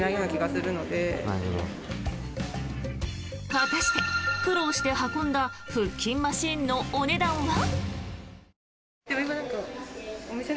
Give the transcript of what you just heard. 果たして、苦労して運んだ腹筋マシンのお値段は？